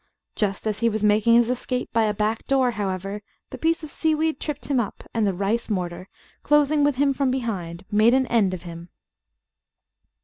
Just as he was making his escape by a back door, however, the piece of seaweed tripped him up, and the rice mortar, closing with him from behind, made an end of him.